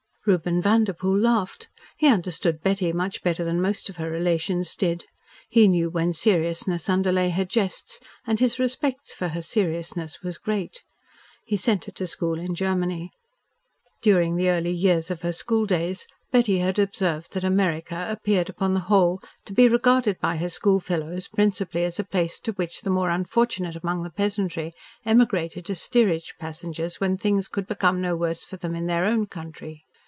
Reuben Vanderpoel laughed. He understood Betty much better than most of her relations did. He knew when seriousness underlay her jests and his respect for her seriousness was great. He sent her to school in Germany. During the early years of her schooldays Betty had observed that America appeared upon the whole to be regarded by her schoolfellows principally as a place to which the more unfortunate among the peasantry emigrated as steerage passengers when things could become no worse for them in their own country.